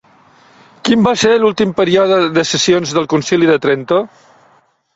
Quin va ser l'últim període de sessions del Concili de Trento?